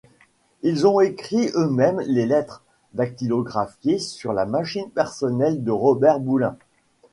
Ils ont écrit eux-mêmes les lettres, dactylographiées sur la machine personnelle de Robert Boulin.